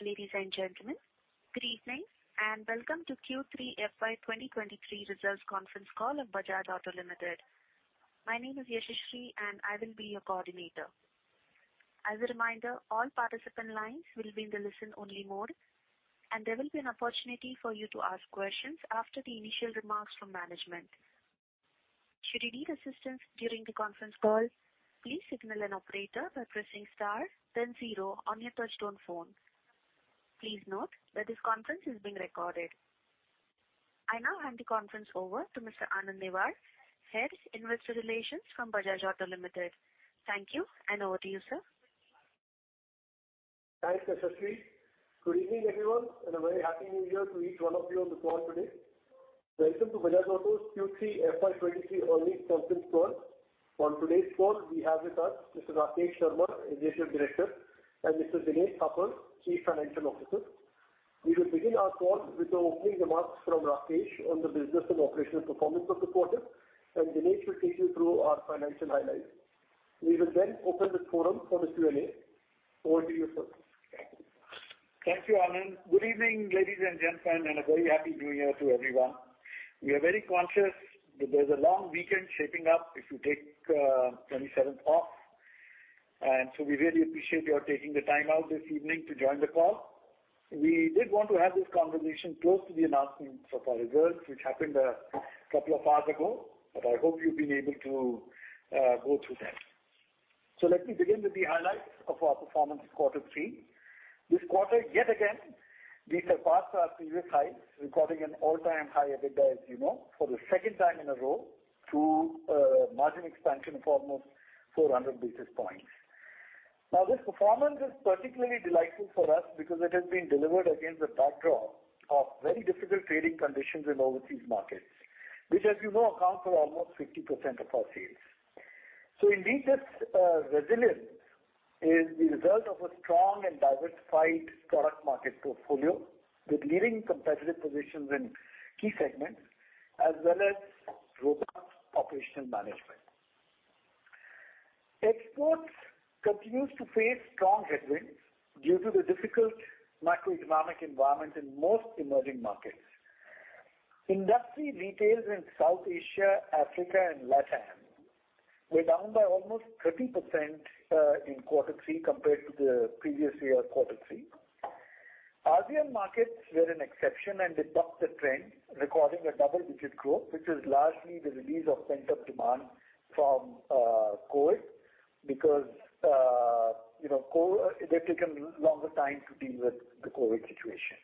Ladies and gentlemen, good evening and welcome to Q3 FY2023 results conference call of Bajaj Auto Limited. My name is Yashashri and I will be your coordinator. As a reminder, all participant lines will be in the listen-only mode, and there will be an opportunity for you to ask questions after the initial remarks from management. Should you need assistance during the conference call, please signal an operator by pressing star then 0 on your touchtone phone. Please note that this conference is being recorded. I now hand the conference over to Mr. Anand Newar, Head, Investor Relations from Bajaj Auto Limited. Thank you and over to you, sir. Thanks, Yashaswi. Good evening, everyone, and a very Happy New Year to each 1 of you on the call today. Welcome to Bajaj Auto's Q3 FY23 earnings conference call. On today's call, we have with us Mr. Rakesh Sharma, Managing Director and Mr. Dinesh Thapar, Chief Financial Officer. We will begin our call with the opening remarks from Rakesh on the business and operational performance of the quarter, and Dinesh will take you through our financial highlights. We will then open the forum for the Q&A. Over to you, sir. Thank you, Anand. Good evening, ladies and gentlemen, and a very Happy New Year to everyone. We are very conscious that there's a long weekend shaping up if you take 27th off. We really appreciate your taking the time out this evening to join the call. We did want to have this conversation close to the announcement of our results, which happened a couple of hours ago, but I hope you've been able to go through that. Let me begin with the highlights of our performance in Q3. This quarter, yet again, we surpassed our previous highs, recording an all-time high EBITDA, as you know, for the second time in a row through margin expansion of almost 400 basis points. This performance is particularly delightful for us because it has been delivered against the backdrop of very difficult trading conditions in overseas markets, which, as you know, account for almost 50% of our sales. Indeed, this resilience is the result of a strong and diversified product market portfolio with leading competitive positions in key segments as well as robust operational management. Exports continues to face strong headwinds due to the difficult macroeconomic environment in most emerging markets. Industry retails in South Asia, Africa and LatAm were down by almost 30% in Q3 compared to the previous year Q3. ASEAN markets were an exception and they bucked the trend, recording a double-digit growth, which is largely the release of pent-up demand from COVID because, you know, they've taken longer time to deal with the COVID situation.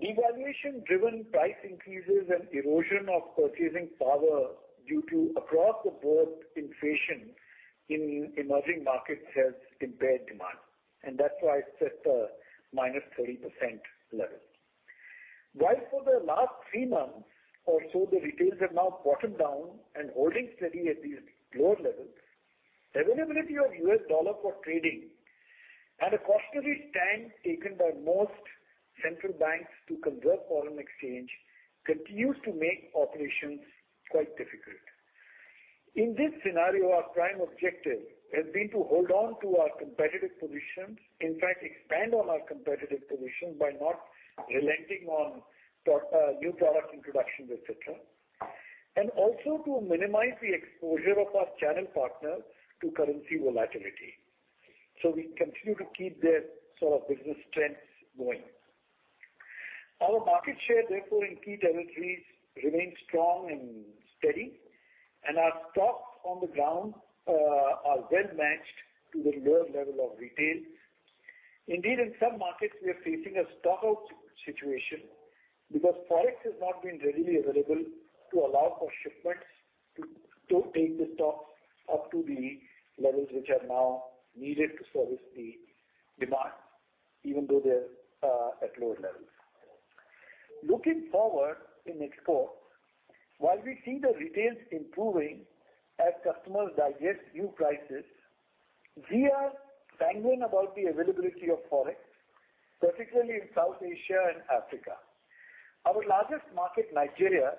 Devaluation driven price increases and erosion of purchasing power due to across-the-board inflation in emerging markets has impaired demand, and that's why it's at -30% level. While for the last 3 months or so the retails have now bottomed down and holding steady at these lower levels, availability of US dollar for trading at a cost of each time taken by most central banks to convert foreign exchange continues to make operations quite difficult. In this scenario, our prime objective has been to hold on to our competitive positions. In fact, expand on our competitive positions by not relenting on new product introductions, et cetera, and also to minimize the exposure of our channel partners to currency volatility. We continue to keep their sort of business strengths going. Our market share therefore in key territories remains strong and steady, and our stocks on the ground are well matched to the lower level of retail. Indeed, in some markets we are facing a stock out situation because forex has not been readily available to allow for shipments to take the stocks up to the levels which are now needed to service the demand, even though they're at lower levels. Looking forward in exports, while we see the retails improving as customers digest new prices, we are sanguine about the availability of forex, particularly in South Asia and Africa. Our largest market, Nigeria,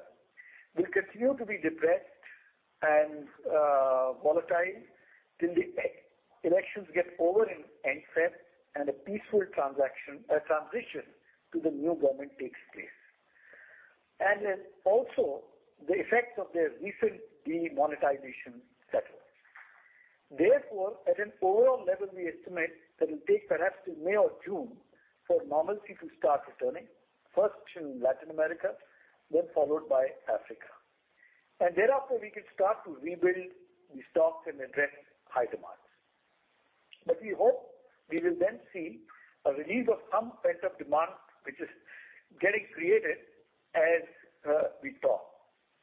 will continue to be depressed and volatile till the elections get over in February and a peaceful transition to the new government takes place. Then also the effects of their recent demonetization settle. Therefore, at an overall level, we estimate that it'll take perhaps till May or June for normalcy to start returning, first in Latin America, then followed by Africa. Thereafter we can start to rebuild the stocks and address high demands. We hope we will then see a release of some pent-up demand which is getting created as we talk,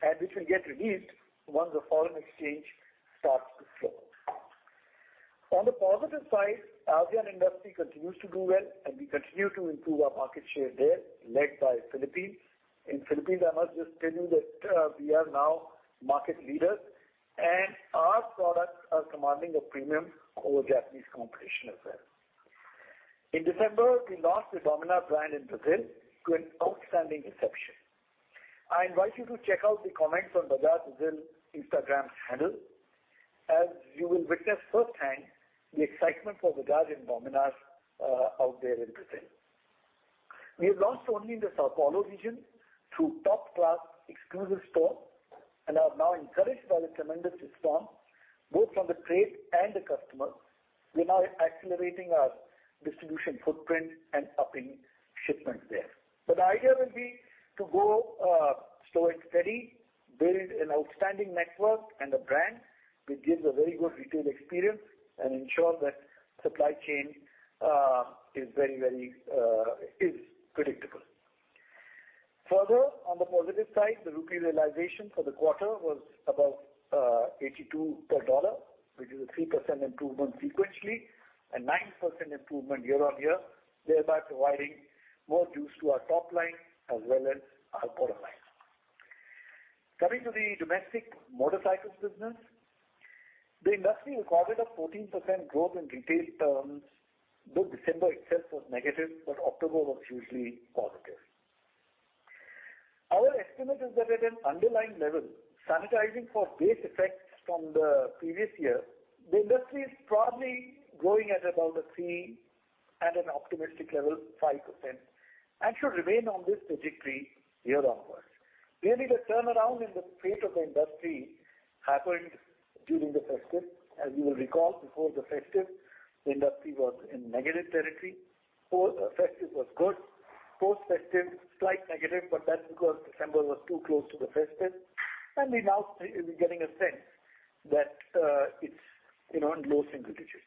and this will get released once the foreign exchange starts to flow. On the positive side, ASEAN industry continues to do well and we continue to improve our market share there, led by Philippines. In Philippines, I must just tell you that we are now market leaders and our products are commanding a premium over Japanese competition as well. In December, we launched the Dominar brand in Brazil to an outstanding reception. I invite you to check out the comments on Bajaj Brazil Instagram handle, as you will witness firsthand the excitement for Bajaj and Dominar out there in Brazil. We have launched only in the São Paulo region through top-class exclusive store and are now encouraged by the tremendous response, both from the trade and the customers. We're now accelerating our distribution footprint and upping shipments there. The idea will be to go slow and steady, build an outstanding network and a brand which gives a very good retail experience and ensure that supply chain is predictable. Further, on the positive side, the rupee realization for the quarter was above 82 per dollar, which is a 3% improvement sequentially and 9% improvement year-on-year, thereby providing more juice to our top line as well as our bottom line. Coming to the domestic motorcycles business, the industry recorded a 14% growth in retail terms, though December itself was negative, October was hugely positive. Our estimate is that at an underlying level, sanitizing for base effects from the previous year, the industry is probably growing at about a 3%, at an optimistic level, 5%, and should remain on this trajectory year onwards. Really, the turnaround in the fate of the industry happened during the festive. As you will recall, before the festive, the industry was in negative territory. Post-festive was good. Post-festive, slight negative, That's because December was too close to the festive. We're getting a sense that, you know, it's in low single digits.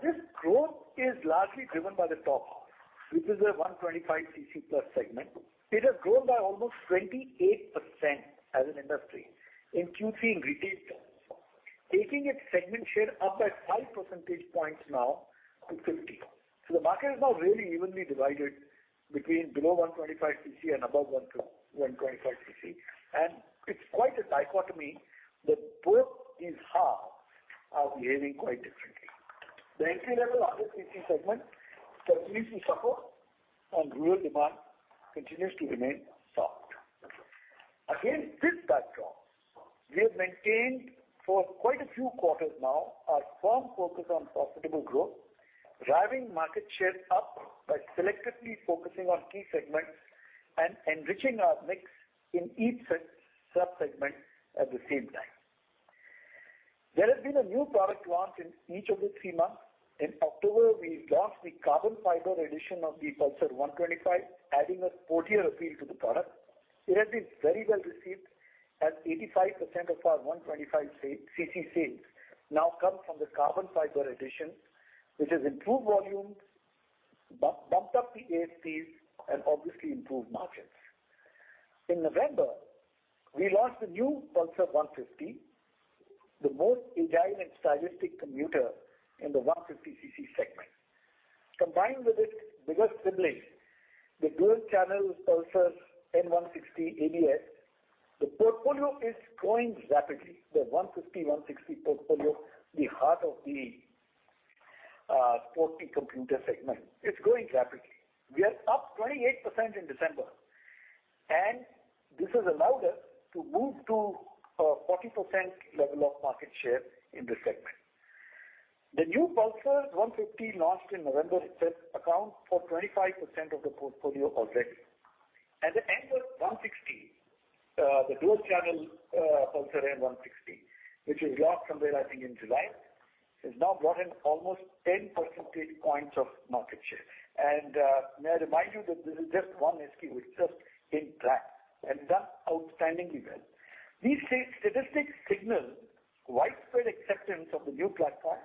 This growth is largely driven by the top half, which is the 125 cc+ segment. It has grown by almost 28% as an industry in Q3 in retail terms, taking its segment share up by 5% points now to 50. The market is now really evenly divided between below 125 cc and above 125 cc. It's quite a dichotomy that both these halves are behaving quite differently. The entry-level under cc segment continues to suffer, and rural demand continues to remain soft. Against this backdrop, we have maintained for quite a few quarters now our firm focus on profitable growth, driving market share up by selectively focusing on key segments and enriching our mix in each subsegment at the same time. There has been a new product launch in each of the 3 months. In October, we launched the carbon fiber edition of the Pulsar 125, adding a sportier appeal to the product. It has been very well received as 85% of our 125 cc sales now come from the carbon fiber edition, which has improved volumes, bumped up the ASPs and obviously improved margins. In November, we launched the new Pulsar 150, the most agile and stylistic commuter in the 150 cc segment. Combined with its bigger sibling, the dual channel Pulsar N160 ABS, the portfolio is growing rapidly. The 150, 160 portfolio, the heart of the sporty commuter segment, it's growing rapidly. We are up 28% in December. This has allowed us to move to a 40% level of market share in this segment. The new Pulsar 150 launched in November itself accounts for 25% of the portfolio already. The N160, the dual channel, Pulsar N160, which was launched somewhere, I think, in July, has now brought in almost 10% points of market share. May I remind you that this is just 1 SKU. It's just in track and done outstandingly well. These statistics signal widespread acceptance of the new platform.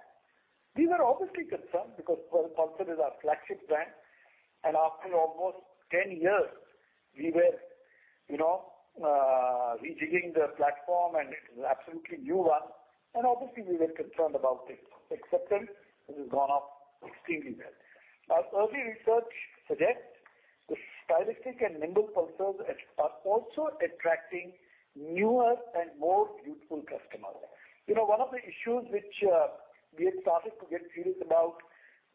We were obviously concerned because Pulsar is our flagship brand, and after almost 10 years, we were, you know, rejigging the platform, and it's an absolutely new 1, and obviously we were concerned about its acceptance. It has gone off extremely well. Our early research suggests the stylistic and nimble Pulsars are also attracting newer and more youthful customers. You know, 1 of the issues which we had started to get feelings about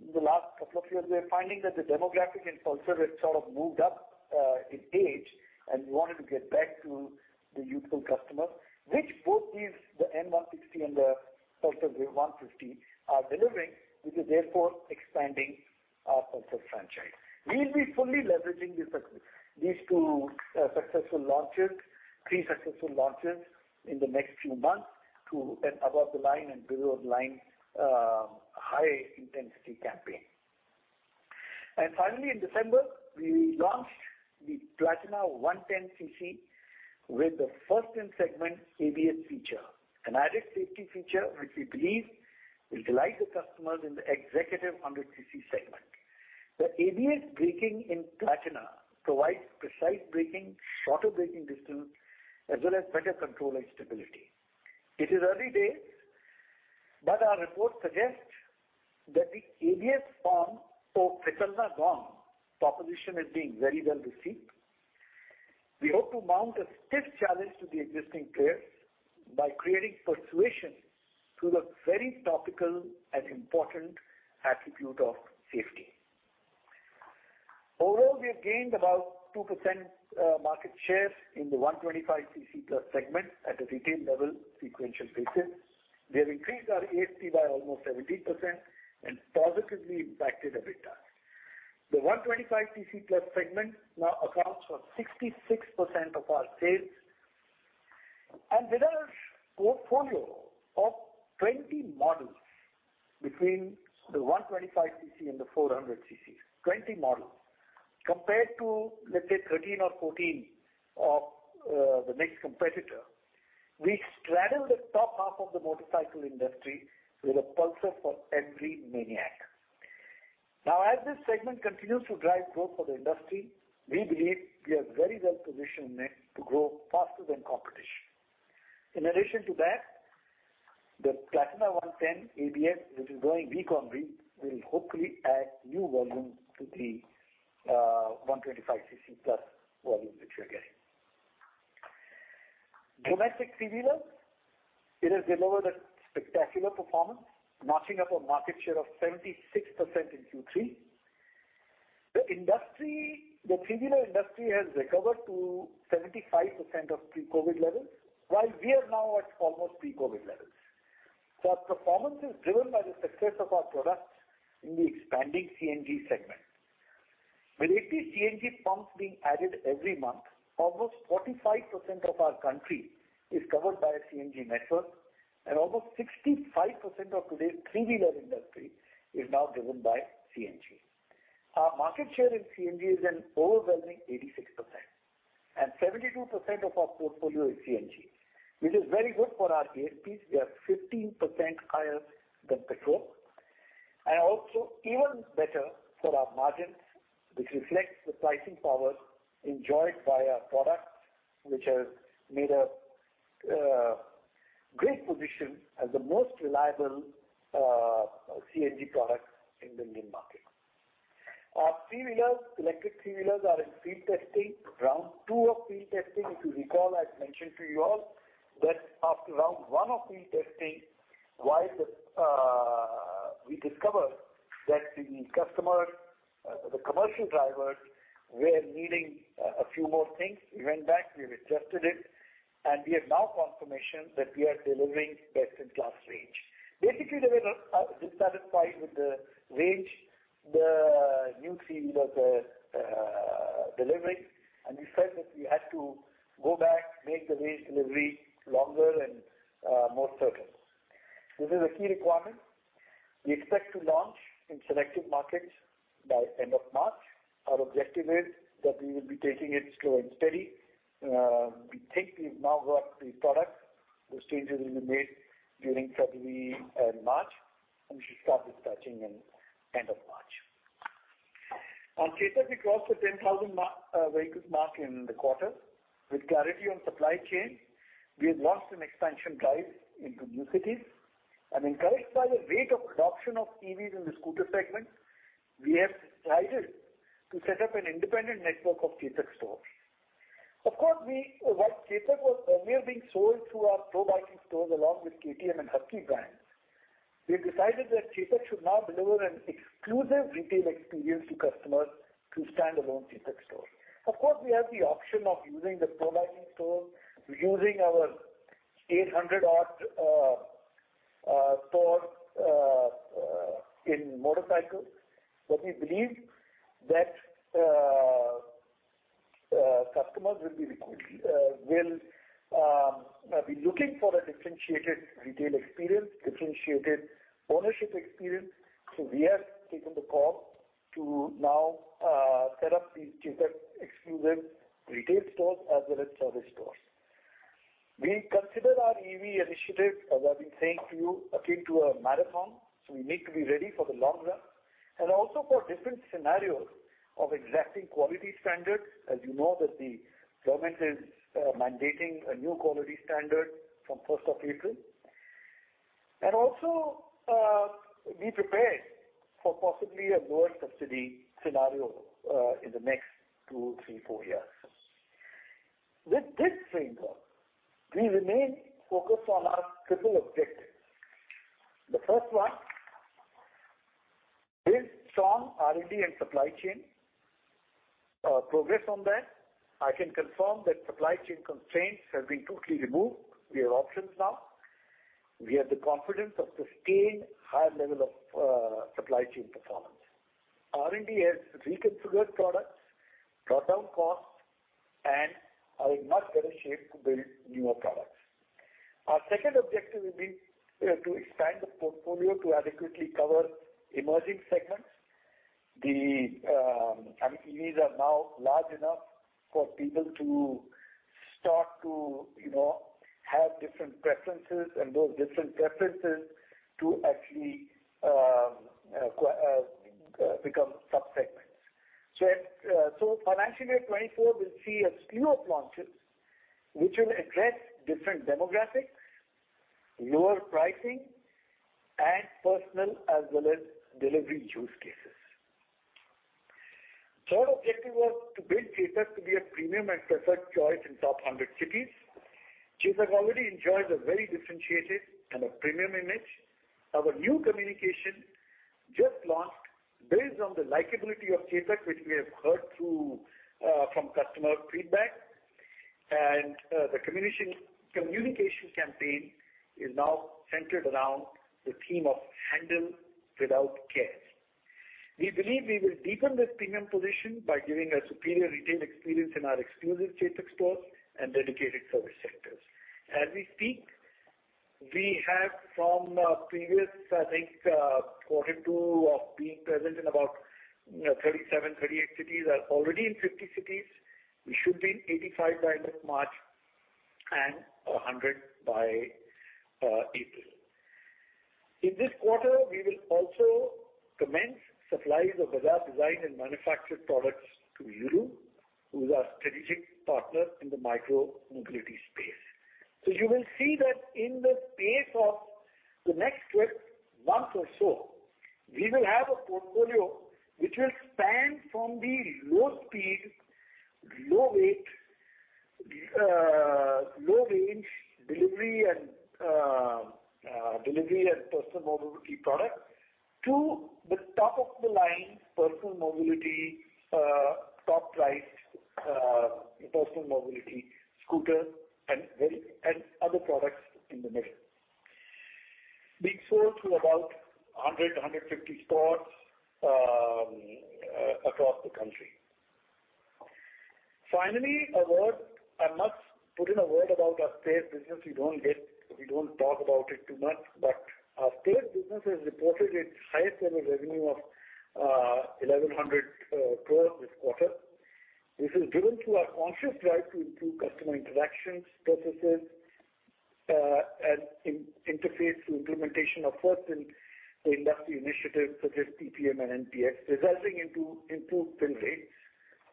the last couple of years, we're finding that the demographic in Pulsar had sort of moved up in age, and we wanted to get back to the youthful customers, which both these, the N160 and the Pulsar P150 are delivering, which is therefore expanding our Pulsar franchise. We'll be fully leveraging 3 successful launches in the next few months to an above the line and below the line high-intensity campaign. Finally, in December, we launched the Platina 110 cc with the first-in-segment ABS feature, an added safety feature which we believe will delight the customers in the executive 100 cc segment. The ABS braking in Platina provides precise braking, shorter braking distance, as well as better control and stability. It is early days, our reports suggest that the ABS on or Fikar Not proposition is being very well received. We hope to mount a stiff challenge to the existing players. By creating persuasion through the very topical and important attribute of safety. Overall, we have gained about 2% market share in the 125 cc+ segment at a retail level sequential basis. We have increased our ASP by almost 17% and positively impacted EBITDA. The 125 cc+ segment now accounts for 66% of our sales. With our portfolio of 20 models between the 125 cc and the 400 cc, 20 models. Compared to let's say 13 or 14 of the next competitor. We straddle the top half of the motorcycle industry with a Pulsar for every maniac. As this segment continues to drive growth for the industry, we believe we are very well positioned in it to grow faster than competition. In addition to that, the Platina 110 ABS, which is going V combi, will hopefully add new volume to the 125 cc+ volume which we are getting. Domestic 3-wheeler, it has delivered a spectacular performance, notching up a market share of 76% in Q3. The 3-wheeler industry has recovered to 75% of pre-COVID levels, while we are now at almost pre-COVID levels. Our performance is driven by the success of our products in the expanding CNG segment. With 80 CNG pumps being added every month, almost 45% of our country is covered by a CNG network, and almost 65% of today's 3-wheeler industry is now driven by CNG. Our market share in CNG is an overwhelming 86%, and 72% of our portfolio is CNG. Which is very good for our ASPs, we are 15% higher than petrol. Also even better for our margins, which reflects the pricing power enjoyed by our products, which has made a great position as the most reliable CNG products in the Indian market. Our 3-wheelers, electric 3-wheelers are in field testing. Round 2 of field testing, if you recall, I had mentioned to you all that after round 1 of field testing, while we discovered that the customer, the commercial drivers were needing a few more things. We went back, we've adjusted it, and we have now confirmation that we are delivering best-in-class range. Basically, they were dissatisfied with the range the new 3-wheeler was delivering, and we felt that we had to go back, make the range delivery longer and more certain. This is a key requirement. We expect to launch in selective markets by end of March. Our objective is that we will be taking it slow and steady. We think we've now got the product. Those changes will be made during February and March, and we should start dispatching in end of March. On Chetak, we crossed the 10,000 vehicles mark in the quarter. With clarity on supply chain, we have launched an expansion drive into new cities. Encouraged by the rate of adoption of EVs in the scooter segment, we have decided to set up an independent network of Chetak stores. While Chetak was earlier being sold through our Pro-biking stores along with KTM and Husqvarna brands. We have decided that Chetak should now deliver an exclusive retail experience to customers through standalone Chetak stores. We have the option of using the Pro-biking stores, using our 800 odd stores in motorcycles. We believe that customers will be looking for a differentiated retail experience, differentiated ownership experience. We have taken the call to now set up these Chetak exclusive retail stores as well as service stores. We consider our EV initiative, as I've been saying to you, akin to a marathon, so we need to be ready for the long run. Also for different scenarios of exacting quality standards. As you know that the government is mandating a new quality standard from 1st of April. Be prepared for possibly a lower subsidy scenario in the next 2, 3, 4 years. With this framework, we remain focused on our triple objective. The first one is strong R&D and supply chain. Progress on that. I can confirm that supply chain constraints have been totally removed. We have options now. We have the confidence of sustained high level of supply chain performance. R&D has reconfigured products, brought down costs, and are in much better shape to build newer products. Our 2nd objective will be to expand the portfolio to adequately cover emerging segments. The, I mean, EVs are now large enough for people to start to, you know, have different preferences and those different preferences to actually become sub-segments. Financial year 2024, we'll see a slew of launches which will address different demographics, lower pricing, and personal as well as delivery use cases. 3rd objective was to build Chetak to be a premium and preferred choice in top 100 cities. Chetak already enjoys a very differentiated and a premium image. Our new communication just launched builds on the likeability of Chetak, which we have heard through from customer feedback. The communication campaign is now centered around the theme of Handle Without Care. We believe we will deepen this premium position by giving a superior retail experience in our exclusive Chetak stores and dedicated service centers. As we speak, we have from the previous, I think, Q2 of being present in about 37, 38 cities. Are already in 50 cities. We should be in 85 by end of March and 100 by April. In this quarter, we will also commence supplies of Bajaj designed and manufactured products to Yulu, who is our strategic partner in the micro-mobility space. You will see that in the space of the next 6 months or so, we will have a portfolio which will span from the low speed, low weight, low range delivery and delivery and personal mobility product to the top of the line personal mobility, top price, personal mobility scooter and other products in the mix. Being sold through about 150 spots across the country. Finally, I must put in a word about our spares business. We don't talk about it too much, our spares business has reported its highest ever revenue of 1,100 crores this quarter. This is driven through our conscious drive to improve customer interactions, processes, and in interface through implementation of first in the industry initiatives such as PPM and NTS, resulting into improved pin rates,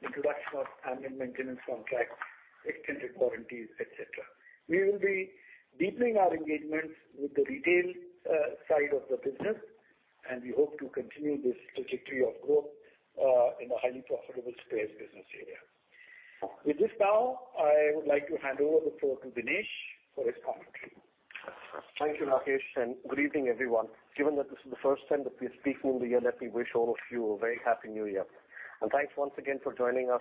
introduction of annual maintenance contracts, extended warranties, et cetera. We will be deepening our engagements with the retail side of the business, and we hope to continue this trajectory of growth in the highly profitable spares business area. With this now, I would like to hand over the floor to Dinesh for his commentary. Thank you, Rakesh. Good evening, everyone. Given that this is the first time that we're speaking in the year, let me wish all of you a very happy new year. Thanks once again for joining us,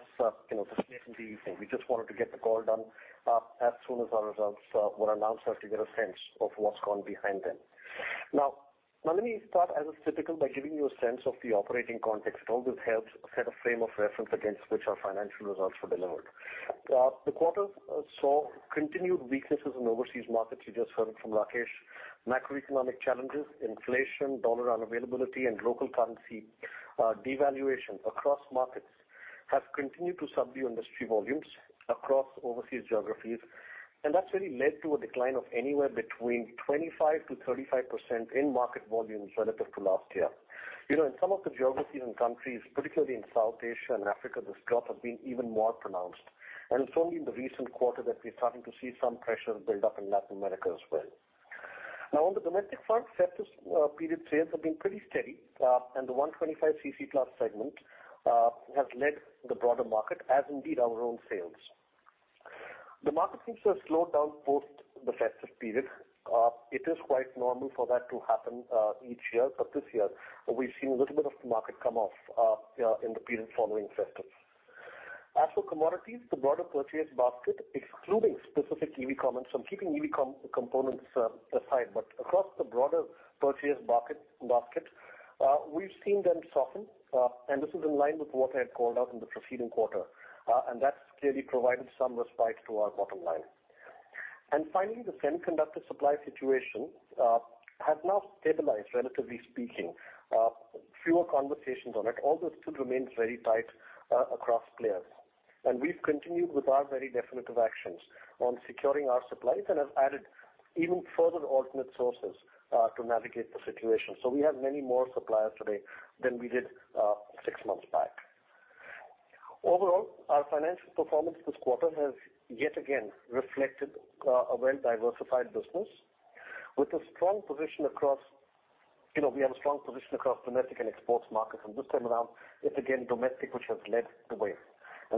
you know, this late in the evening. We just wanted to get the call done as soon as our results were announced so that you get a sense of what's gone behind them. Now, let me start, as is typical, by giving you a sense of the operating context. It always helps set a frame of reference against which our financial results were delivered. The quarter saw continued weaknesses in overseas markets. You just heard it from Rakesh. Macroeconomic challenges, inflation, dollar unavailability, and local currency devaluation across markets have continued to subdue industry volumes across overseas geographies. That's really led to a decline of anywhere between 25% to 35% in market volumes relative to last year. You know, in some of the geographies and countries, particularly in South Asia and Africa, this drop has been even more pronounced. It's only in the recent quarter that we're starting to see some pressure build up in Latin America as well. On the domestic front, festive period sales have been pretty steady, and the 125 cc class segment has led the broader market, as indeed our own sales. The market seems to have slowed down post the festive period. It is quite normal for that to happen each year. This year we've seen a little bit of the market come off in the period following festives. As for commodities, the broader purchase basket, excluding specific EV components, so I'm keeping EV components aside. Across the broader purchase basket, we've seen them soften, and this is in line with what I had called out in the preceding quarter. That's clearly provided some respite to our bottom line. Finally, the semiconductor supply situation has now stabilized, relatively speaking. Fewer conversations on it, although it still remains very tight across players. We've continued with our very definitive actions on securing our supplies and have added even further alternate sources to navigate the situation. We have many more suppliers today than we did 6 months back. Overall, our financial performance this quarter has yet again reflected a well-diversified business with a strong position across, you know, we have a strong position across domestic and export markets. This time around, yet again, domestic, which has led the way.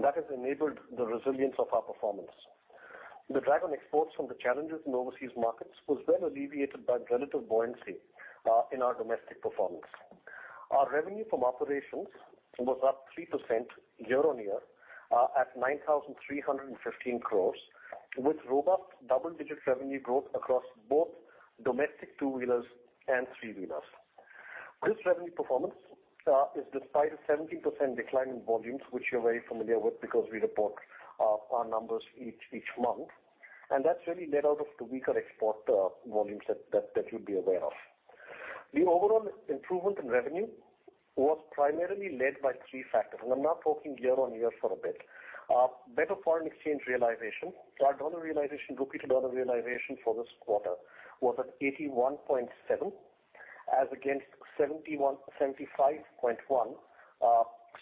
That has enabled the resilience of our performance. The drag on exports from the challenges in overseas markets was well alleviated by the relative buoyancy in our domestic performance. Our revenue from operations was up 3% year-on-year at 9,315 crores, with robust double-digit revenue growth across both domestic 2-wheelers and 3-wheelers. This revenue performance is despite a 17% decline in volumes, which you're very familiar with because we report our numbers each month, and that's really led out of the weaker export volumes that you'd be aware of. The overall improvement in revenue was primarily led by 3 factors. I'm now talking year-on-year for a bit. Better foreign exchange realization. Our dollar realization, rupee to dollar realization for this quarter was at 81.7, as against 75.1,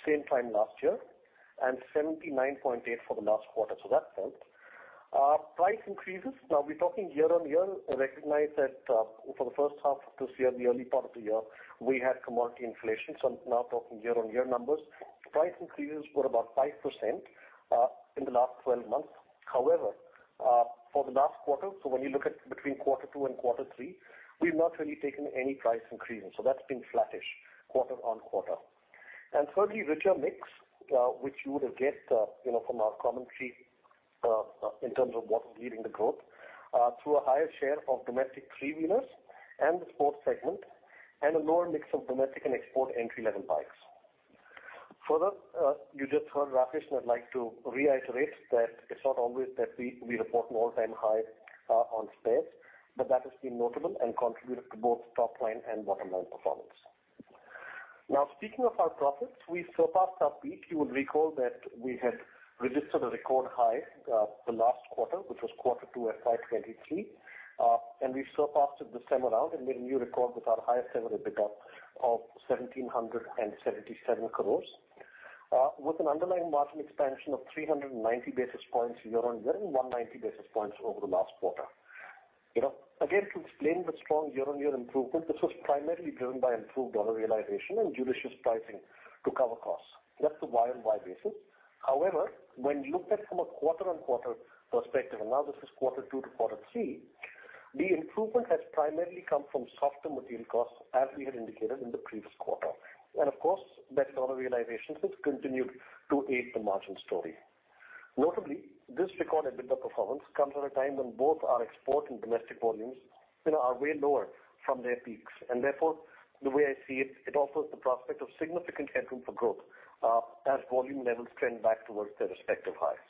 same time last year. 79.8 for the last quarter, so that helped. Price increases, now we're talking year-on-year, recognize that, for the H1 of this year, the early part of the year, we had commodity inflation. I'm now talking year-on-year numbers. Price increases were about 5%, in the last 12 months. However, for the last quarter, so when you look at between Q2 and Q3, we've not really taken any price increases, so that's been flattish quarter-on-quarter. Thirdly, richer mix, which you would have guessed, you know, from our commentary, in terms of what was leading the growth, through a higher share of domestic 3-wheelers and the sports segment and a lower mix of domestic and export entry-level bikes. You just heard Rakesh and I'd like to reiterate that it's not always that we report an all-time high on spares, but that has been notable and contributed to both top line and bottom line performance. Speaking of our profits, we surpassed our peak. You will recall that we had registered a record high, the last quarter, which was Q2 FY23. We surpassed it this time around and made a new record with our highest ever EBITDA of 1,777 crores, with an underlying margin expansion of 390 basis points year-on-year and 190 basis points over the last quarter. You know, again, to explain the strong year-on-year improvement, this was primarily driven by improved dollar realization and judicious pricing to cover costs. That's the year-on-year basis. However, when looked at from a quarter-on-quarter perspective, and now this is quarter 2 to quarter 3, the improvement has primarily come from softer material costs, as we had indicated in the previous quarter. Of course, better dollar realization has continued to aid the margin story. Notably, this record EBITDA performance comes at a time when both our export and domestic volumes, you know, are way lower from their peaks. Therefore, the way I see it offers the prospect of significant headroom for growth, as volume levels trend back towards their respective highs.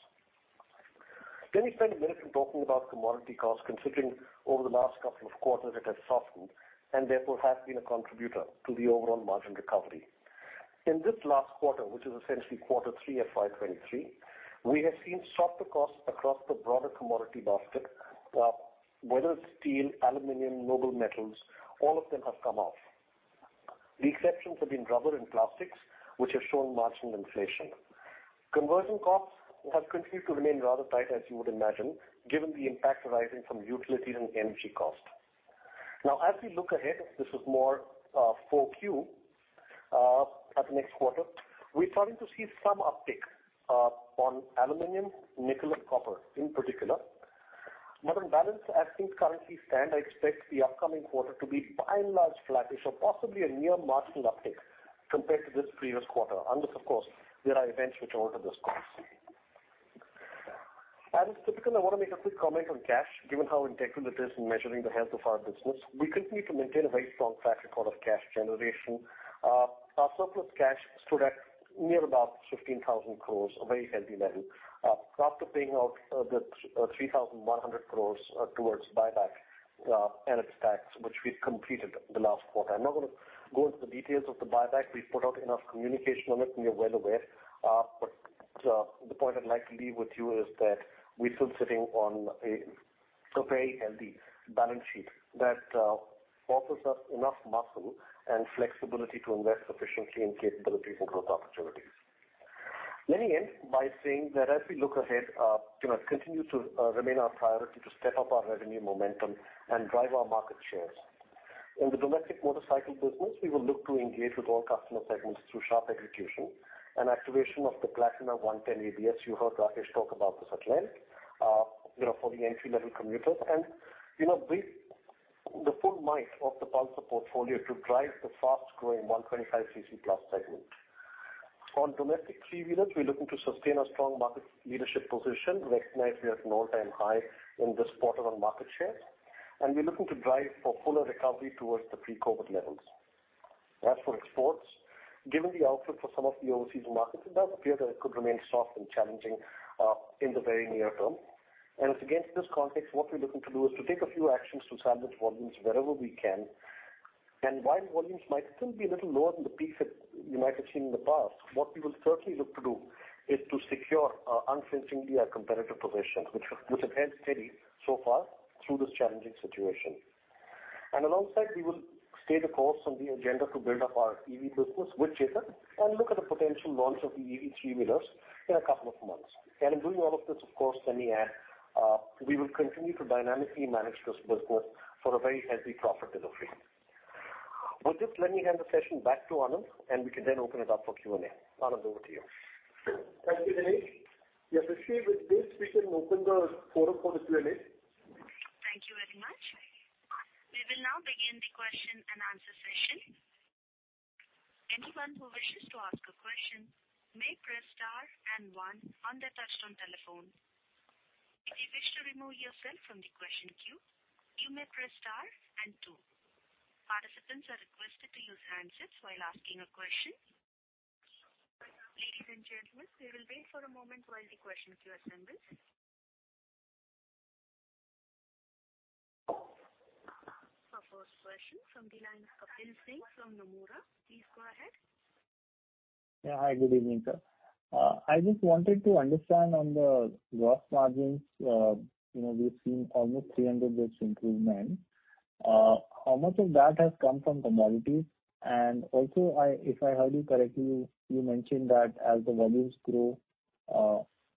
Let me spend a minute in talking about commodity costs, considering over the last couple of quarters it has softened and therefore has been a contributor to the overall margin recovery. In this last quarter, which is essentially Q3 FY23, we have seen softer costs across the broader commodity basket. Whether it's steel, aluminum, noble metals, all of them have come off. The exceptions have been rubber and plastics, which have shown marginal inflation. Conversion costs have continued to remain rather tight, as you would imagine, given the impact arising from utilities and energy costs. As we look ahead, this is more for Q at next quarter, we're starting to see some uptick on aluminum, nickel and copper in particular. On balance, as things currently stand, I expect the upcoming quarter to be by and large flattish or possibly a near marginal uptick compared to this previous quarter, unless of course there are events which alter this course. As is typical, I wanna make a quick comment on cash, given how integral it is in measuring the health of our business. We continue to maintain a very strong track record of cash generation. Our surplus cash stood at near about 15,000 crores, a very healthy level, after paying out the 3,100 crores towards buyback and its tax, which we've completed the last quarter. I'm not gonna go into the details of the buyback. We've put out enough communication on it and you're well aware. The point I'd like to leave with you is that we're still sitting on a very healthy balance sheet that offers us enough muscle and flexibility to invest sufficiently in capabilities and growth opportunities. Let me end by saying that as we look ahead, you know, it continues to remain our priority to step up our revenue momentum and drive our market shares. In the domestic motorcycle business, we will look to engage with all customer segments through sharp execution and activation of the Platina 110 ABS, you heard Rakesh talk about this at length, you know, for the entry-level commuters. you know, bring the full might of the Pulsar portfolio to drive the fast growing 125 cc+ segment. On domestic 3-wheelers, we're looking to sustain a strong market leadership position, recognize we are at an all-time high in this quarter on market share, and we're looking to drive for fuller recovery towards the pre-COVID levels. As for exports, given the outlook for some of the overseas markets, it does appear that it could remain soft and challenging in the very near term. It's against this context, what we're looking to do is to take a few actions to sandwich volumes wherever we can. While volumes might still be a little lower than the peaks that you might have seen in the past, what we will certainly look to do is to secure unflinchingly our competitive position, which has held steady so far through this challenging situation. Alongside, we will stay the course on the agenda to build up our EV business with Jason and look at a potential launch of the EV 3-wheelers in a couple of months. In doing all of this, of course, let me add, we will continue to dynamically manage this business for a very healthy profit delivery. With this, let me hand the session back to Anand, and we can then open it up for Q&A. Anand, over to you. Thank you, Dinesh. Yes, Yashaswi, with this we can open the floor up for the Q&A. Thank you very much. We will now begin the question and answer session. Anyone who wishes to ask a question may press star 1 on their touchtone telephone. If you wish to remove yourself from the question queue, you may press star 2. Participants are requested to use handsets while asking a question. Ladies and gentlemen, we will wait for a moment while the question queue assembles. Our 1st question from the line of Kapil Singh from Nomura. Please go ahead. Yeah. Hi, good evening, sir. I just wanted to understand on the gross margins, you know, we've seen almost 300 basis improvement. How much of that has come from commodity? Also I, if I heard you correctly, you mentioned that as the volumes grow,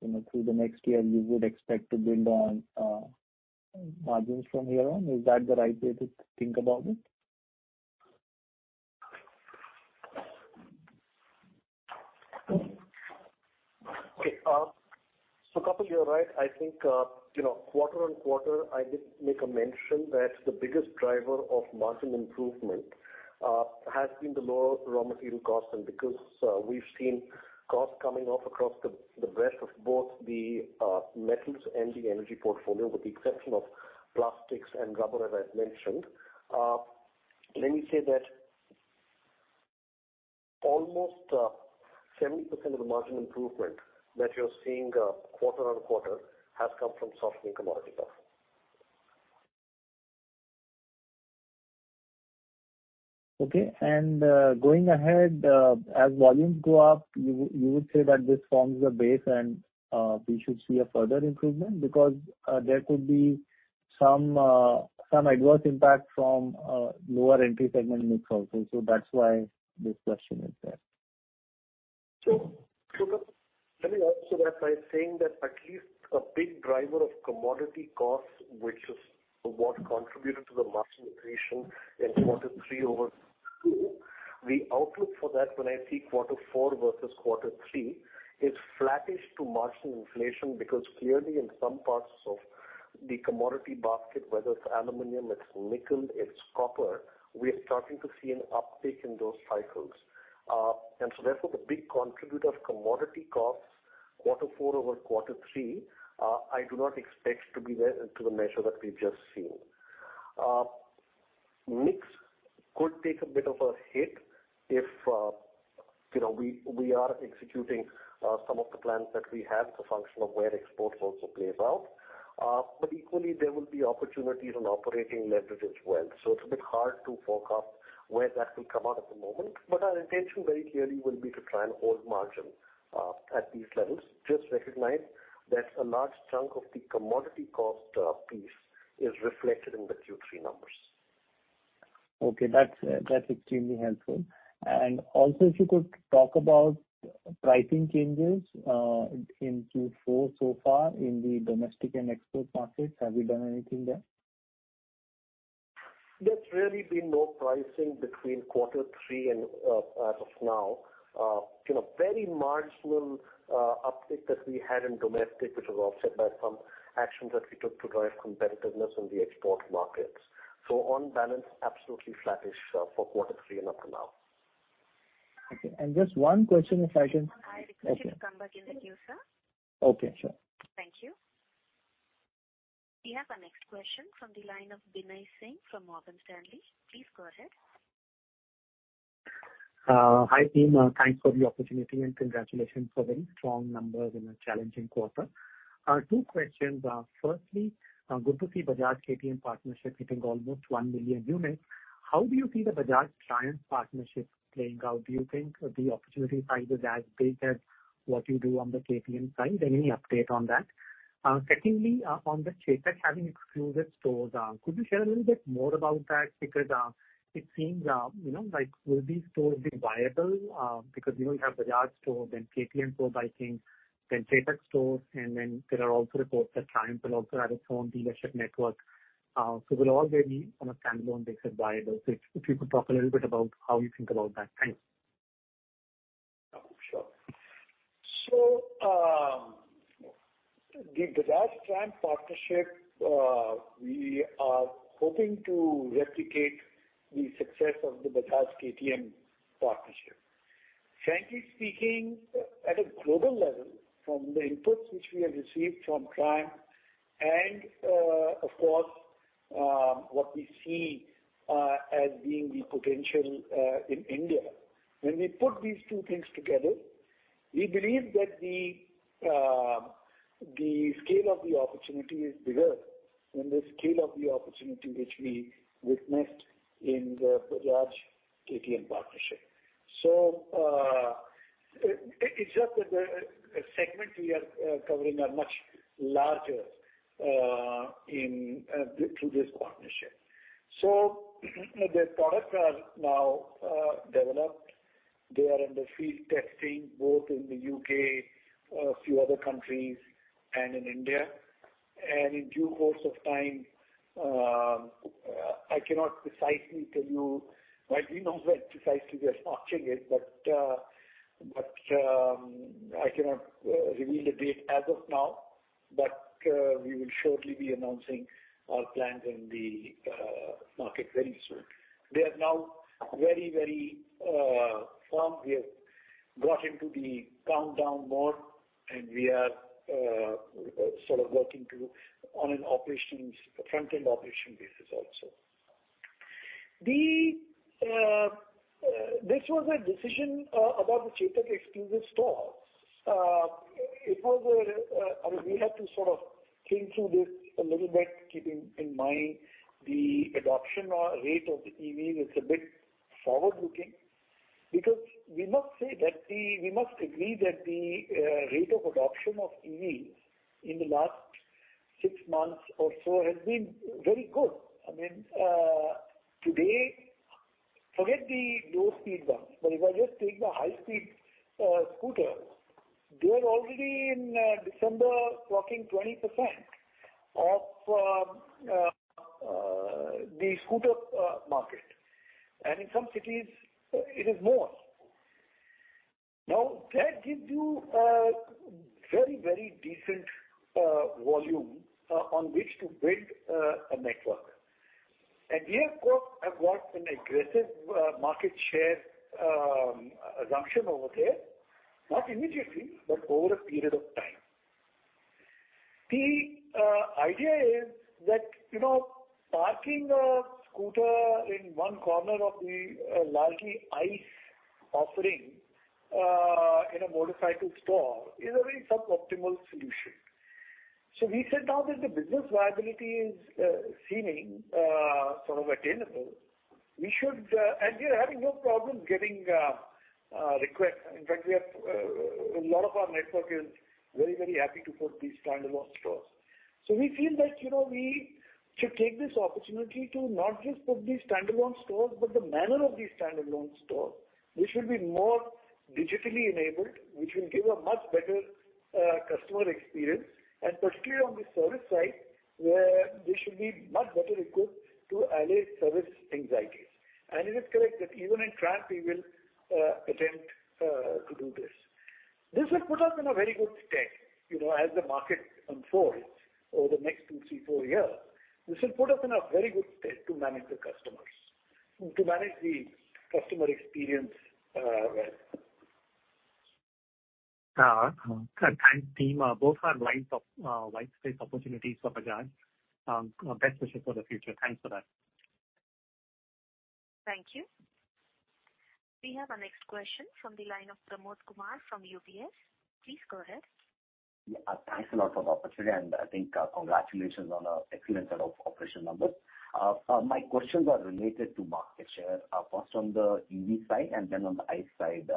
you know, through the next year, you would expect to build on margins from here on. Is that the right way to think about it? Kapil, you're right. I think, you know, quarter-on-quarter, I did make a mention that the biggest driver of margin improvement has been the lower raw material cost. Because we've seen costs coming off across the breadth of both the metals and the energy portfolio, with the exception of plastics and rubber as I've mentioned. Let me say that almost 70% of the margin improvement that you're seeing quarter-on-quarter has come from softening commodity costs. Okay. Going ahead, as volumes go up, you would say that this forms a base and we should see a further improvement because there could be some adverse impact from lower entry segment mix also. That's why this question is there. Sure. Sure. Let me answer that by saying that at least a big driver of commodity costs, which is what contributed to the margin inflation in Q3 over 2, the outlook for that when I see Q4 versus Q3, is flattish to marginal inflation. Clearly in some parts of the commodity basket, whether it's aluminum, it's nickel, it's copper, we are starting to see an uptick in those cycles. Therefore, the big contributor of commodity costs Q4 over Q3, I do not expect to be there to the measure that we've just seen. Mix could take a bit of a hit if, you know, we are executing some of the plans that we have the function of where exports also plays out. Equally there will be opportunities on operating leverage as well. It's a bit hard to forecast where that will come out at the moment. Our intention very clearly will be to try and hold margin at these levels. Just recognize that a large chunk of the commodity cost piece is reflected in the Q3 numbers. Okay. That's, that's extremely helpful. Also if you could talk about pricing changes, in Q4 so far in the domestic and export markets. Have you done anything there? There's really been no pricing between Q3 and, as of now. You know, very marginal uptick that we had in domestic, which was offset by some actions that we took to drive competitiveness in the export markets. On balance, absolutely flattish for Q3 and up till now. Okay. Just 1 question if I can. I request you to come back in the queue, sir. Okay, sure. Thank you. We have our next question from the line of Binay Singh from Morgan Stanley. Please go ahead. Hi team. Thanks for the opportunity and congratulations for very strong numbers in a challenging quarter. 2 questions. Firstly, good to see Bajaj KTM partnership hitting almost 1 million units. How do you see the Bajaj Triumph partnership playing out? Do you think the opportunity size is as big as what you do on the KTM side? Any update on that? Secondly, on the Chetak having exclusive stores, could you share a little bit more about that? It seems, you know, like, will these stores be viable? You know, you have Bajaj stores, then KTM for biking, then Chetak stores, and then there are also reports that Triumph will also have its own dealership network. Will all there be on a standalone basis viable? If you could talk a little bit about how you think about that. Thanks. Sure. The Bajaj Triumph partnership, we are hoping to replicate the success of the Bajaj KTM partnership. Frankly speaking, at a global level from the inputs which we have received from Triumph and, of course, what we see as being the potential in India. When we put these 2 things together, we believe that the scale of the opportunity is bigger than the scale of the opportunity which we witnessed in the Bajaj KTM partnership. It's just that the segments we are covering are much larger in through this partnership. The products are now developed. They are under field testing both in the U.K., a few other countries, and in India. In due course of time, I cannot precisely tell you. Like, we know where precisely we are launching it, but I cannot reveal the date as of now. We will shortly be announcing our plans in the market very soon. We are now very firm. We have got into the countdown mode, and we are sort of working on an operations, front end operation basis also. The this was a decision about the Chetak exclusive stores. We had to sort of think through this a little bit, keeping in mind the adoption rate of the EV is a bit forward-looking. We must agree that the rate of adoption of EVs in the last 6 months or so has been very good. I mean, today, forget the low speed ones, but if I just take the high speed scooter, they are already in December clocking 20% of the scooter market. In some cities it is more. That gives you a very, very decent volume on which to build a network. We, of course, have got an aggressive market share assumption over there. Not immediately, but over a period of time. The idea is that, you know, parking a scooter in 1 corner of the largely ICE offering in a motorcycle store is a very sub-optimal solution. We said now that the business viability is seeming sort of attainable, we should. We are having no problem getting a request. In fact, we have a lot of our network is very, very happy to put these standalone stores. We feel like, you know, we should take this opportunity to not just put these standalone stores, but the manner of these standalone stores, they should be more digitally enabled, which will give a much better customer experience, and particularly on the service side, where they should be much better equipped to allay service anxieties. It is correct that even in Chetak we will attempt to do this. This will put us in a very good state, you know, as the market unfolds over the next 2, 3, 4 years. This will put us in a very good state to manage the customers, to manage the customer experience, well. Thank team. Both are lines of white space opportunities for Bajaj. Best wishes for the future. Thanks for that. Thank you. We have our next question from the line of Pramod Kumar from UBS. Please go ahead. Yeah. Thanks a lot for the opportunity, and I think, congratulations on an excellent set of operational numbers. My questions are related to market share. First on the EV side and then on the ICE side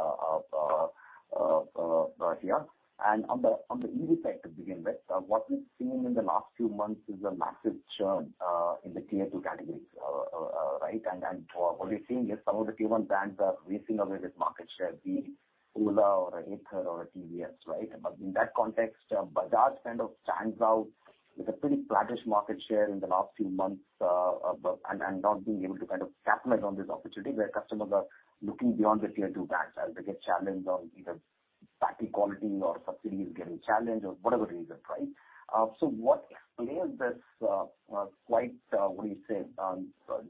here. On the EV side to begin with, what we've seen in the last few months is a massive churn in the tier 2 category, right? What we're seeing is some of the tier 1 brands are racing away with market share, be Ola or Ather or a TVS, right? In that context, Bajaj kind of stands out with a pretty flattish market share in the last few months, and not being able to kind of capitalize on this opportunity where customers are looking beyond the tier 2 brands as they get challenged on either battery quality or subsidy is getting challenged or whatever the reason, right? What explains this quite what do you say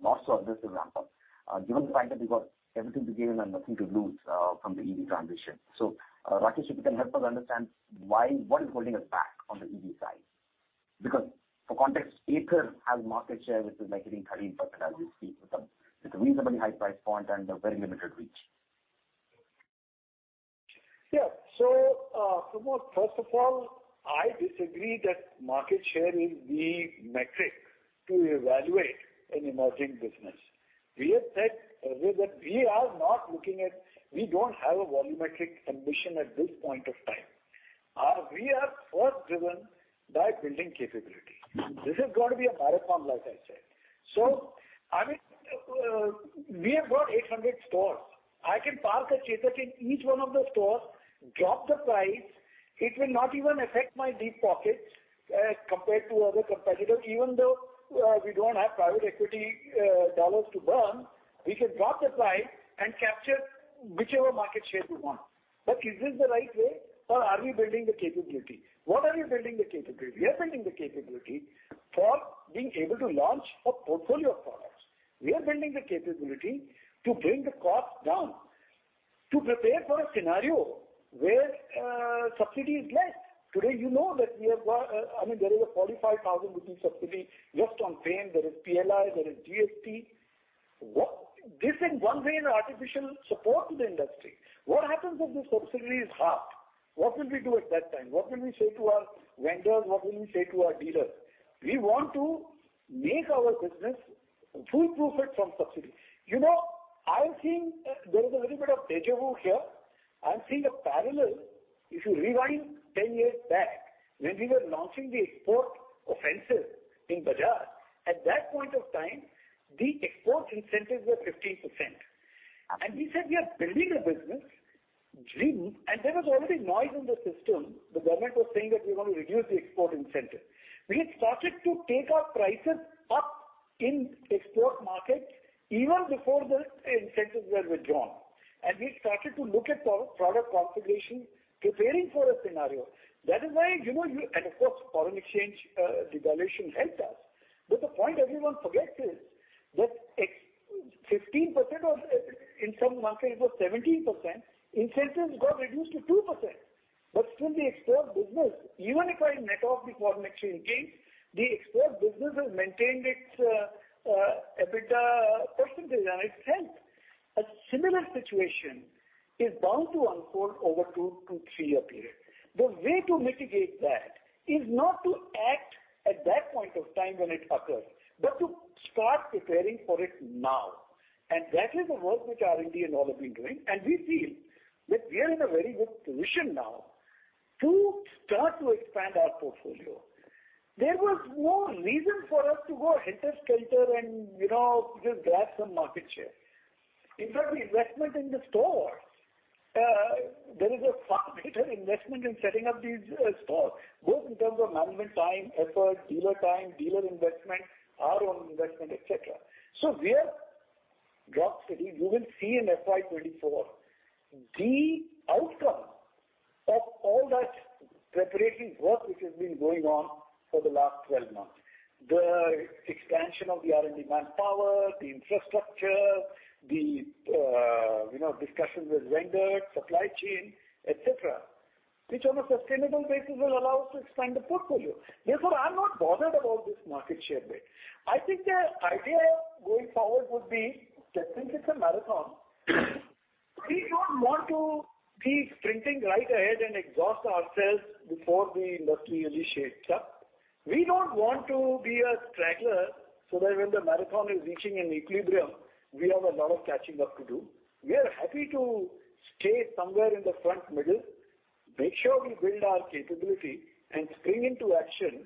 not so aggressive ramp up given the fact that you've got everything to gain and nothing to lose from the EV transition. Rakesh, if you can help us understand what is holding us back on the EV side? Because for context, Ather has market share which is like hitting 30% as we speak, with a reasonably high price point and a very limited reach. Yeah. Pramod, first of all, I disagree that market share is the metric to evaluate an emerging business. We have said earlier that we are not looking at. We don't have a volumetric ambition at this point of time. We are first driven by building capability. This has got to be a marathon, like I said. I mean, we have got 800 stores. I can park a Chetak in each 1 of the stores, drop the price. It will not even affect my deep pockets compared to other competitors. Even though, we don't have private equity dollars to burn, we can drop the price and capture whichever market share we want. Is this the right way or are we building the capability? What are we building the capability? We are building the capability for being able to launch a portfolio of products. We are building the capability to bring the cost down, to prepare for a scenario where subsidy is less. Today, you know that we have got, I mean, there is a 45,000 rupee subsidy just on FAME. There is PLI, there is GST. This in 1 way is an artificial support to the industry. What happens if the subsidy is halved? What will we do at that time? What will we say to our vendors? What will we say to our dealers? We want to make our business foolproof it from subsidy. You know, I think there is a little bit of deja vu here. I'm seeing a parallel. If you rewind 10 years back when we were launching the export offensive in Bajaj, at that point of time, the export incentives were 15%. We said, "We are building a business dream." There was already noise in the system. The government was saying that we want to reduce the export incentive. We had started to take our prices up in export markets even before the incentives were withdrawn. We started to look at pro-product configuration, preparing for a scenario. That is why, you know, foreign exchange devaluation helped us. The point everyone forgets is that 15% or in some markets it was 17%, incentives got reduced to 2%. Still the export business, even if I net off the foreign exchange gains, the export business has maintained its EBITDA percentage and it helped. A similar situation is bound to unfold over 2 to 3 year period. The way to mitigate that is not to act at that point of time when it occurs, but to start preparing for it now. That is the work which R&D and all have been doing, and we feel that we are in a very good position now to start to expand our portfolio. There was no reason for us to go helter-skelter and, you know, just grab some market share. In fact, the investment in the stores, there is a far greater investment in setting up these stores, both in terms of management time, effort, dealer time, dealer investment, our own investment, et cetera. We are drop steady. You will see in FY2024 the outcome of all that preparatory work which has been going on for the last 12 months. The expansion of the R&D manpower, the infrastructure, the, you know, discussions with vendors, supply chain, et cetera, which on a sustainable basis will allow us to expand the portfolio. Therefore, I'm not bothered about this market share bit. I think the idea going forward would be just think it's a marathon. We don't want to be sprinting right ahead and exhaust ourselves before the industry really shapes up. We don't want to be a straggler so that when the marathon is reaching an equilibrium, we have a lot of catching up to do. We are happy to stay somewhere in the front middle, make sure we build our capability and spring into action,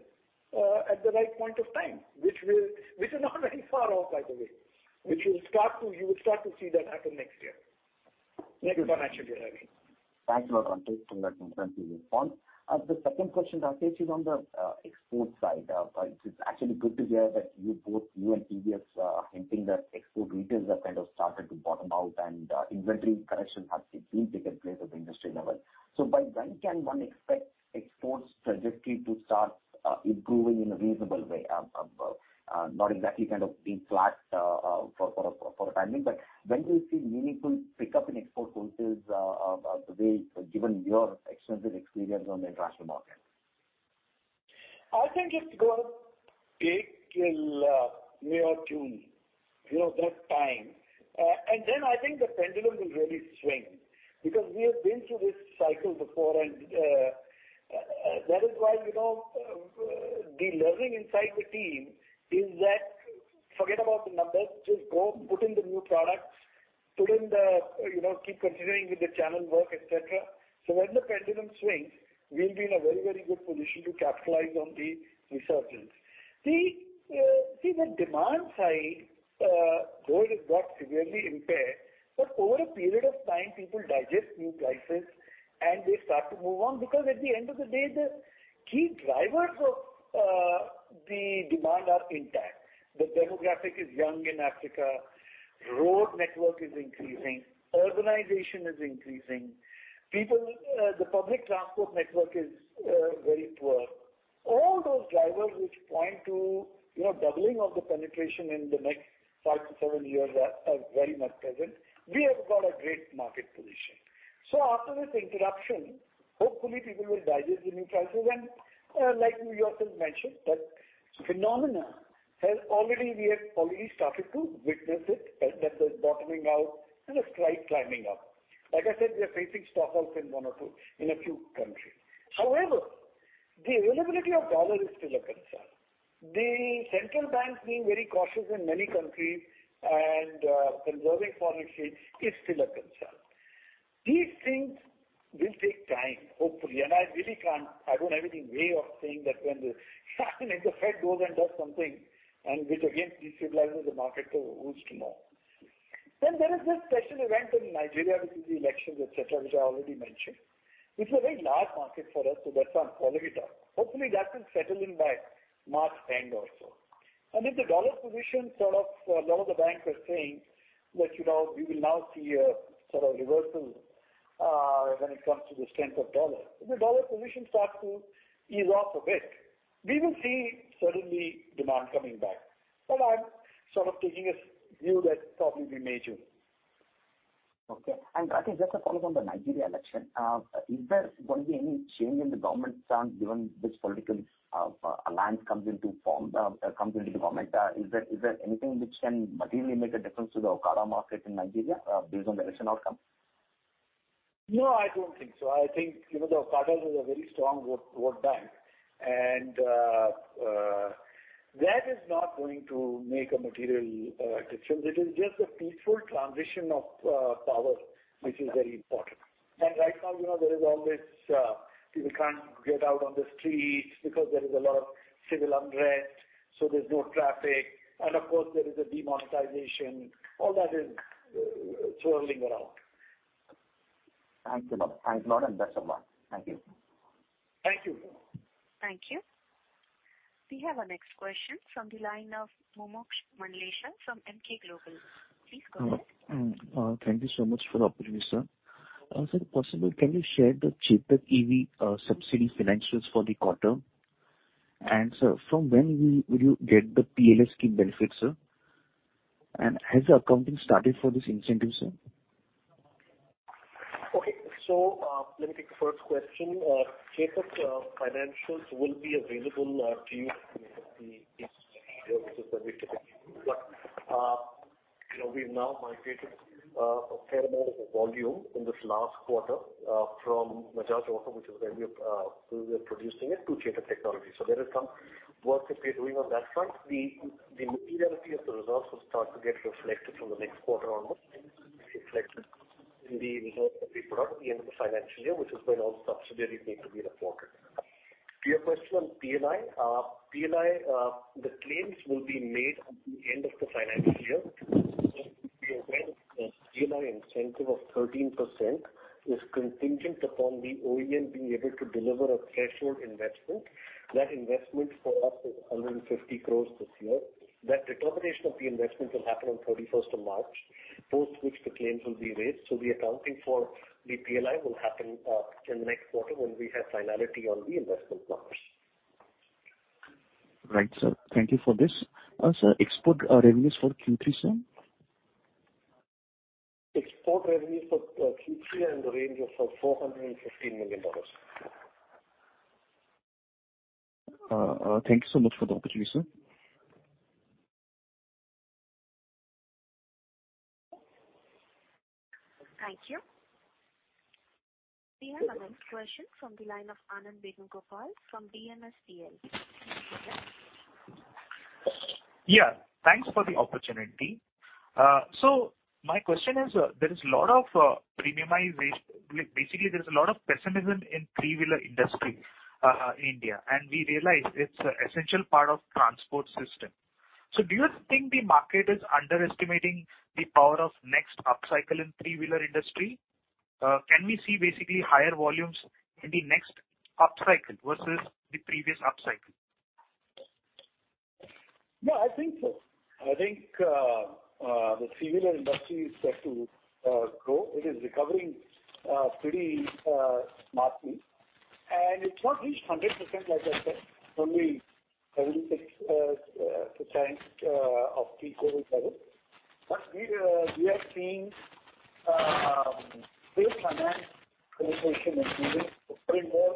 at the right point of time, which is not very far off, by the way, you will start to see that happen next year. Next financial year, I mean. Thanks a lot, Rakesh, for that comprehensive response. The 2nd question, Rakesh, is on the export side. It is actually good to hear that you both, you and PVF are hinting that export retailers have kind of started to bottom out and inventory correction has indeed taken place at the industry level. By when can 1 expect exports trajectory to start improving in a reasonable way? Not exactly kind of being flat for timing, but when do you see meaningful pickup in export pulses, the way given your extensive experience on the international market? I think it's gonna take till May or June, you know, that time. Then I think the pendulum will really swing because we have been through this cycle before and that is why, you know, the learning inside the team is that forget about the numbers, just go put in the new products, put in the, you know, keep continuing with the channel work, et cetera. When the pendulum swings, we'll be in a very, very good position to capitalize on the resurgence. See the demand side, though it has got severely impaired, but over a period of time, people digest new prices and they start to move on because at the end of the day the key drivers of the demand are intact. The demographic is young in Africa. Road network is increasing. Urbanization is increasing. People, the public transport network is very poor. All those drivers which point to, you know, doubling of the penetration in the next 5 to 7 years are very much present. We have got a great market position. After this interruption, hopefully people will digest the new prices and, like you yourself mentioned that phenomena has already started to witness it that there's bottoming out and a slight climbing up. Like I said, we are facing stock outs in 1 or 2, in a few countries. However, the availability of dollar is still a concern. The central banks being very cautious in many countries and, conserving foreign exchange is still a concern. These things will take time, hopefully. I really can't, I don't have any way of saying that when the if the Fed goes and does something and which again destabilizes the market, so who's to know? There is this special event in Nigeria which is the elections, et cetera, which I already mentioned, which is a very large market for us. That's some volatility. Hopefully that will settle in by March end or so. If the dollar position sort of, a lot of the banks are saying that, you know, we will now see a sort of reversal, when it comes to the strength of dollar. If the dollar position starts to ease off a bit, we will see suddenly demand coming back. I'm sort of taking a view that's probably major. Okay. Rakesh, just a follow on the Nigeria election. Is there going to be any change in the government stand given this political alliance comes into form, comes into government? Is there anything which can materially make a difference to the Okada market in Nigeria, based on the election outcome? No, I don't think so. I think, you know, the Okada has a very strong World Bank and that is not going to make a material difference. It is just a peaceful transition of power which is very important. Right now, you know, there is all this, people can't get out on the streets because there is a lot of civil unrest, so there's no traffic. Of course there is a demonetization. All that is swirling around. Thanks a lot. Thanks a lot and best of luck. Thank you. Thank you. Thank you. We have our next question from the line of Mumuksh Mandlesha from Emkay Global. Please go ahead. Thank you so much for the opportunity, sir. Sir, if possible can you share the Chetak EV subsidy financials for the quarter? Sir, from when will you get the PLI scheme benefit, sir? Has the accounting started for this incentive, sir? Okay. Let me take the 1st question. Chetak financials will be available to you in the nextSure. This is when we typically do. you know, we've now migrated a fair amount of the volume in this last quarter from Bajaj Auto, which is where we are producing it, to Chetak Technology. There is some work that we are doing on that front. The materiality of the results will start to get reflected from the next quarter onwards and be reflected in the results that we put out at the end of the financial year, which is when all subsidiaries need to be reported. To your question on PLI. PLI, the claims will be made at the end of the financial year. You're aware that PLI incentive of 13% is contingent upon the OEM being able to deliver a threshold investment. That investment for us is 150 crores this year. That determination of the investment will happen on 31st of March, post which the claims will be raised. The accounting for the PLI will happen in the next quarter when we have finality on the investment numbers. Right, sir. Thank you for this. Sir, export revenues for Q3, sir? Export revenues for Q3 are in the range of $415 million. Thank you so much for the opportunity, sir. Thank you. We have our next question from the line of Anand Venugopal from DNSDL. Thanks for the opportunity. My question is, there is a lot of premiumization. Like, basically there is a lot of pessimism in 3-wheeler industry, India, and we realize it's an essential part of transport system. Do you think the market is underestimating the power of next upcycle in 3-wheeler industry? Can we see basically higher volumes in the next upcycle versus the previous upcycle? No, I think so. I think the 3-wheeler industry is set to grow. It is recovering pretty smartly. It's not reached 100%, like I said, only 76% of pre-COVID levels. We are seeing big finance participation increasing more,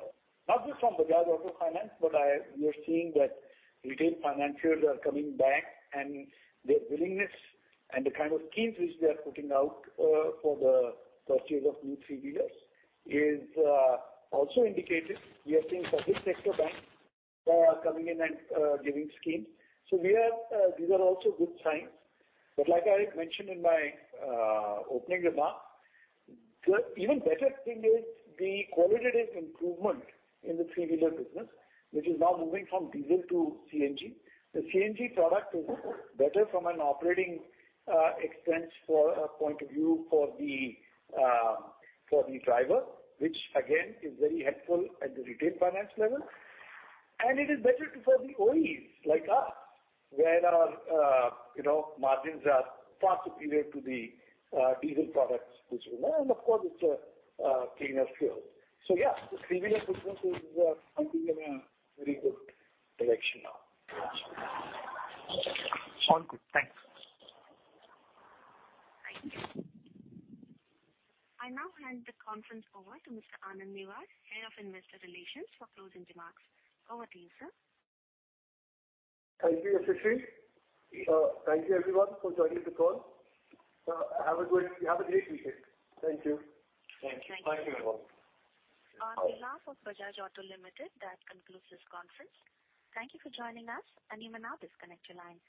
not just from Bajaj Finance Limited, but we are seeing that retail financials are coming back and their willingness and the kind of schemes which they are putting out for the purchase of new 3-wheelers is also indicated. We are seeing public sector banks coming in and giving schemes. We are, these are also good signs. Like I mentioned in my opening remarks, the even better thing is the qualitative improvement in the 3-wheeler business, which is now moving from diesel to CNG. The CNG product is better from an operating expense for point of view for the for the driver, which again is very helpful at the retail finance level. It is better for the OEs like us, where our you know, margins are far superior to the diesel products which were there. Of course it's a cleaner fuel. Yeah, the 3-wheeler business is I think in a very good direction now. All good. Thanks. Thank you. I now hand the conference over to Mr. Anand Newar, Head of Investor Relations for closing remarks. Over to you, sir. Thank you, Yashashri. Thank you everyone for joining the call. Have a great weekend. Thank you. Thank you. Thank you, everyone. Bye-bye. On behalf of Bajaj Auto Limited, that concludes this conference. Thank you for joining us. You may now disconnect your lines.